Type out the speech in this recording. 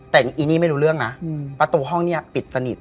แต่อีนี่ไม่รู้เรื่องนะประตูห้องเนี่ยปิดสนิท